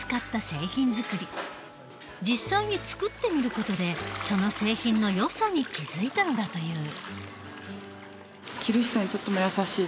実際に作ってみる事でその製品のよさに気付いたのだという。